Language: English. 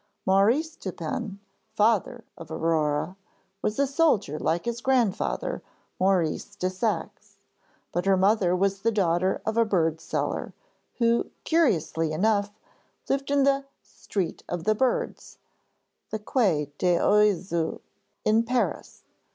Maurice Dupin, father of Aurore, was a soldier like his grandfather, Maurice de Saxe; but her mother was the daughter of a bird seller, who, curiously enough, lived in the 'Street of the Birds' (Quai des Oiseaux) in Paris.